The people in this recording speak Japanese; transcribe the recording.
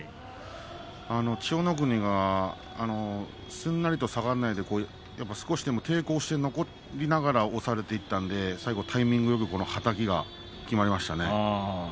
千代の国がすんなりと下がらないで少しでも抵抗して残りながら押さえていたので最後のはたきはタイミングよく決まりましたね。